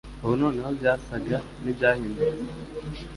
Ubu noneho byasaga n'ibyahindutse,